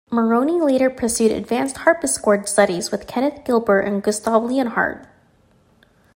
Moroney later pursued advanced harpsichord studies with Kenneth Gilbert and Gustav Leonhardt.